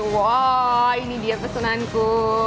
wow ini dia pesenanku